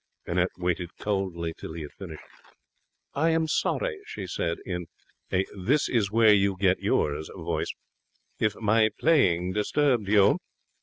Annette waited coldly till he had finished. 'I am sorry,' she said, in a this is where you get yours voice, 'if my playing disturbed you.'